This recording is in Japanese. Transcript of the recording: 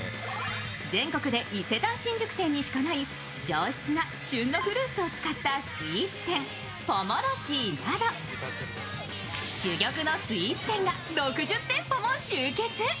全国で伊勢丹新宿店にしかない上質な旬のフルーツを使ったフルーツ店、ＰＯＭＯＬＯＧＹなど珠玉のスイーツ店が６０店舗も集結。